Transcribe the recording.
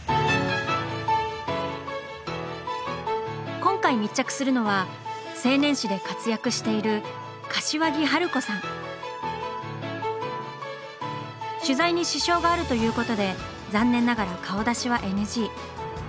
今回密着するのは青年誌で活躍している取材に支障があるということで残念ながら顔出しはＮＧ。